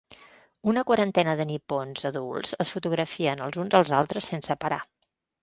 Una quarantena de nipons adults es fotografien els uns als altres sense parar.